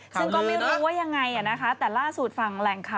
ซึ่งก็ไม่รู้ว่ายังไงแต่ล่าสูตรฟังแหล่งขับ